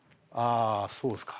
そうですか。